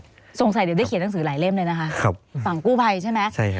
สงสัยเดี๋ยวได้เขียนหนังสือหลายเล่มเลยนะคะครับฝั่งกู้ภัยใช่ไหมใช่ฮะ